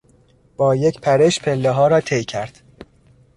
با یک پرش پلهها را طی کرد.